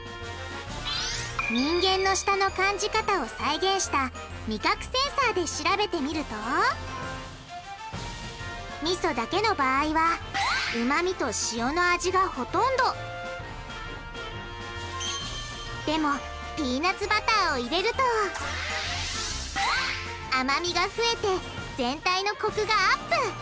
人間の舌の感じ方を再現した味覚センサーで調べてみるとみそだけの場合はうま味と塩の味がほとんどでもピーナツバターを入れると甘味が増えて全体のコクがアップ！